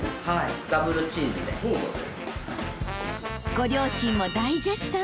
［ご両親も大絶賛。